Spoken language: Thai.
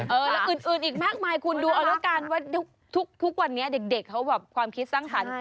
แล้วอื่นอีกมากมายคุณดูเอาแล้วกันว่าทุกวันนี้เด็กเขาแบบความคิดสร้างสรรค์